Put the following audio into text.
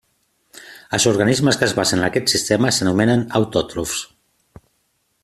Els organismes que es basen en aquest sistema s'anomenen autòtrofs.